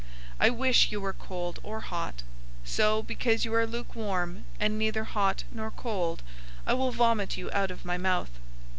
I wish you were cold or hot. 003:016 So, because you are lukewarm, and neither hot nor cold, I will vomit you out of my mouth.